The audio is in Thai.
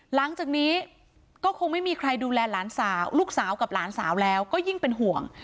หลังจากนี้ก็คงไม่มีใครดูแลหลานสาวลูกสาวกับหลานสาวแล้วก็ยิ่งเป็นห่วง